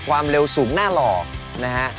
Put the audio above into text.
ความเร็วสูงน่าหล่อนะฮะ